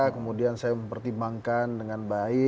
kemudian saya mempertimbangkan